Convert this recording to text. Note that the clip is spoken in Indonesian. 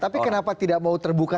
tapi kenapa tidak mau terbuka